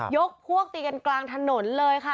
ยกพวกตีกันกลางถนนเลยค่ะ